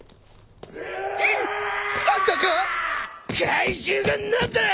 怪獣が何だ！